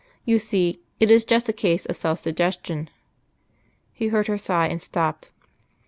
You see, it is just a case of self suggestion." He heard her sigh, and stopped.